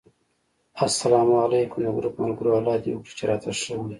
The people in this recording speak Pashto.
اسلام علیکم! د ګروپ ملګرو! الله دې وکړي چې راته ښه وی